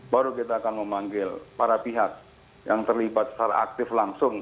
baru kita akan memanggil para pihak yang terlibat secara aktif langsung